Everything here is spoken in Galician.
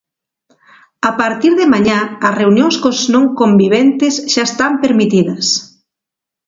A partir de mañá as reunións cos non conviventes xa están permitidas.